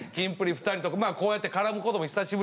２人とこうやって絡むことも久しぶりやったと思う。